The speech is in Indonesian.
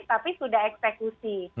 tapi sudah eksekusi